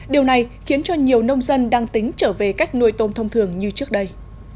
điều này khiến cho nhiều nông dân đang tính trở về cách nuôi tôm thông thường như trước đây